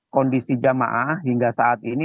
kondisi jamaah hingga saat ini